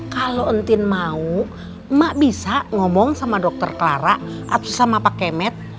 kalau entin mau mak bisa ngomong sama dokter clara atau sesama pak kemet